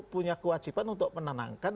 punya kewajiban untuk menenangkan